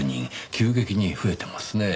急激に増えてますねぇ。